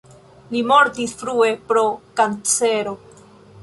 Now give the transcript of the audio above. Li mortis frue pro kancero.